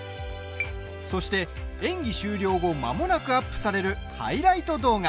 そして演技終了後、まもなくアップされるハイライト動画。